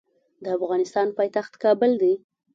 د افغانستان پایتخت کابل دی.